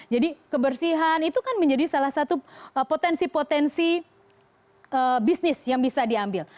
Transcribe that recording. kebersihan itu kan menjadi salah satu potensi potensi bisnis yang bisa diambil